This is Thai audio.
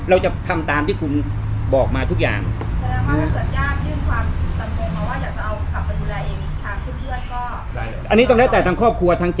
เราจะทำตามที่คุณบอกมาทุกอย่างแสดงว่าถ้าเกิดญาติยืนความผิดชอบมงค์